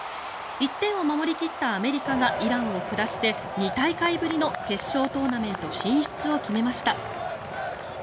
１点を守り切ったアメリカがイランを下して２大会ぶりの決勝トーナメント進出を決めました。